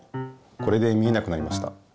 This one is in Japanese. これで見えなくなりました。